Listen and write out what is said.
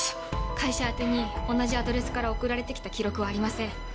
会社宛てに同じアドレスから送られて来た記録はありません。